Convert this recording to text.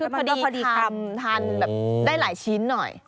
พอดีทานได้หลายชิ้นหน่อย